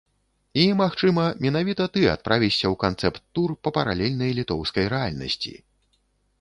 І, магчыма, менавіта ты адправішся ў канцэпт-тур па паралельнай літоўскай рэальнасці!